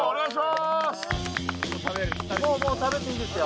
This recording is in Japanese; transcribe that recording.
すもう食べていいですよ